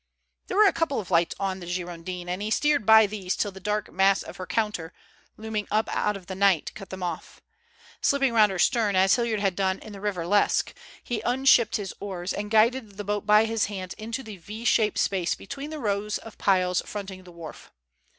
There were a couple of lights on the Girondin, and he steered by these till the dark mass of her counter, looming up out of the night, cut them off. Slipping round her stern, as Hilliard had done in the River Lesque, he unshipped his oars and guided the boat by his hands into the V shaped space between the two rows of piles fronting the wharf.